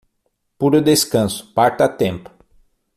Puro descanso, parta a tempo!